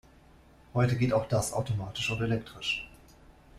Heute geht auch das automatisch und elektrisch.